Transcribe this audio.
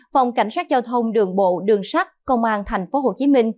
phòng cảnh sát giao thông đường bộ đường sắt công an tp hcm